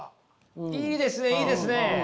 いいですねいいですね。